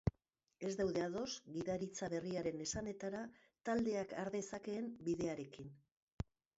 Ez daude ados gidaritza berriaren esanetara taldeak har dezakeen bidearekin.